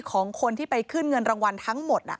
ของคนที่ไปขึ้นเงินรางวัลทั้งหมด